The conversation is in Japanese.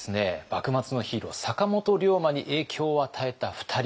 幕末のヒーロー坂本龍馬に影響を与えた２人。